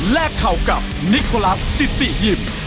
เข่ากับนิโคลัสจิติยิม